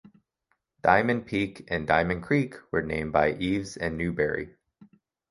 Diamond Peak and Diamond Creek were named by Ives and Newberry.